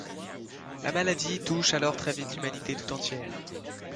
La maladie touche alors très vite l'humanité tout entière.